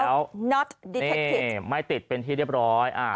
แล้วไม่ติดเป็นทีเรียบร้อย